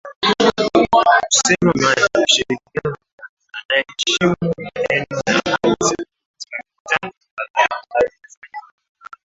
kusema maana ya ushirikiano na jirani anayeheshimu maneno na ahadi zake katika mikutano kadhaa ambayo imefanyika”